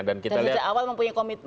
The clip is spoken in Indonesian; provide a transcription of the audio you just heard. dari awal mempunyai komitmen